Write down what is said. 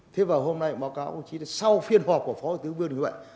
thế vào hôm nay báo cáo công chí là sau phiên họp của phó thủ tướng vương đức vậy